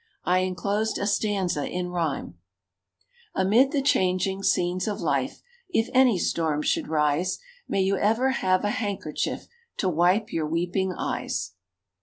I inclosed a stanza in rhyme: Amid the changing scenes of life If any storm should rise, May you ever have a handkerchief To wipe your weeping eyes.